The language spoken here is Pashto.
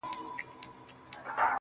ما دي ویلي کله قبر نایاب راکه.